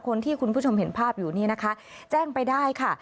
คุณผู้ชมเห็นภาพอยู่นี่นะคะแจ้งไปได้ค่ะ